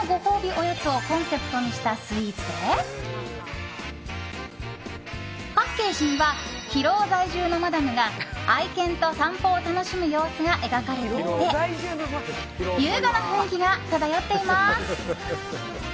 おやつをコンセプトにしたスイーツでパッケージには広尾在住のマダムが愛犬と散歩を楽しむ様子が描かれていて優雅な雰囲気が漂っています。